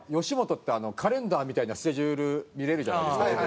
吉本ってカレンダーみたいなスケジュール見れるじゃないですか